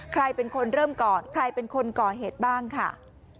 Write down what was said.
ใครเป็นคนเริ่มก่อนใครเป็นคนก่อเหตุบ้างค่ะ